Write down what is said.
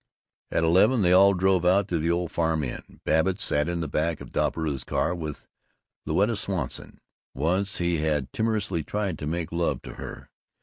At eleven they all drove out to the Old Farm Inn. Babbitt sat in the back of Doppelbrau's car with Louetta Swanson. Once he had timorously tried to make love to her.